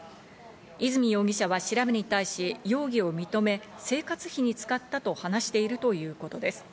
和泉容疑者は調べに対し、容疑を認め、生活費に使ったと話しているということです。